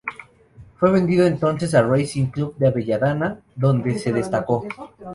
Fue vendido entonces a Racing Club de Avellaneda donde se destacó.